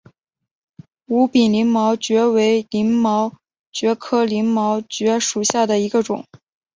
无柄鳞毛蕨为鳞毛蕨科鳞毛蕨属下的一个种。